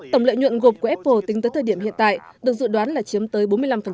tổng lợi nhuận gộp của apple tính tới thời điểm hiện tại được dự đoán là chiếm tới bốn mươi năm